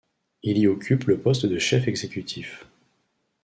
Il y occupe le poste de chef exécutif.